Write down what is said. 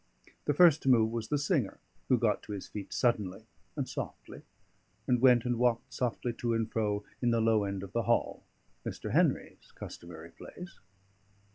The first to move was the singer, who got to his feet suddenly and softly, and went and walked softly to and fro in the low end of the hall, Mr. Henry's customary place.